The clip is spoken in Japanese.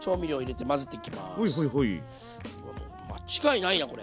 間違いないなこれ。